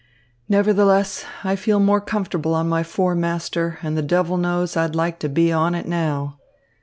Nevertheless, I feel more comfortable on my four master, and the devil knows, I'd like to be on it now."